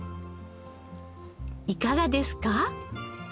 いかがですか？